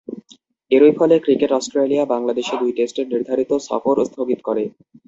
এরই ফলে cricket Australia বাংলাদেশে দুই টেস্টের নির্ধারিত সফর স্থগিত করে।